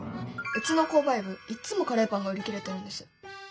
うちの購買部いっつもカレーパンが売り切れてるんです。